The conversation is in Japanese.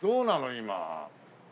今。